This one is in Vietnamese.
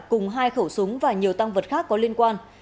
cùng hai khẩu súng và nhiều tăng vật khác có liên quan